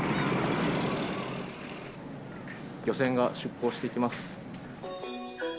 漁船が出港していきます。